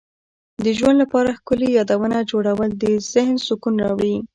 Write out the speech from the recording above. د ژوند لپاره ښکلي یادونه جوړول د ذهن سکون راوړي.